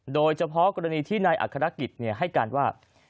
โดยเฉพาะกรณีที่นายอัครกิจให้การว่า